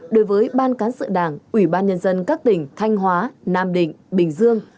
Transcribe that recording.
đối với ban cán sự đảng ủy ban nhân dân các tỉnh thanh hóa nam định bình dương